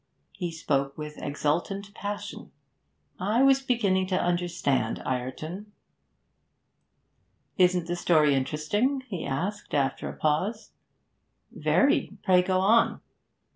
He spoke with exultant passion. I was beginning to understand Ireton. 'Isn't the story interesting?' he asked, after a pause. 'Very. Pray go on.'